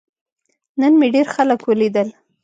نن مې ډیر خلک ولیدل.